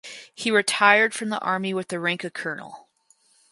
He retired from the Army with the rank of colonel.